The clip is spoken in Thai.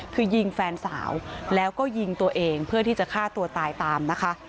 คือยิงแฟนสาวแล้วก็ยิงตัวเองเพื่อที่จะฆ่าตัวตายตามนะคะ